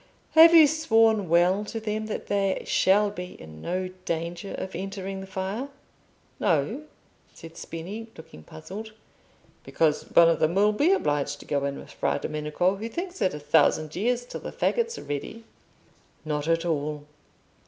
"Have you sworn well to them that they shall be in no danger of entering the fire?" "No," said Spini, looking puzzled; "because one of them will be obliged to go in with Fra Domenico, who thinks it a thousand years till the fagots are ready." "Not at all.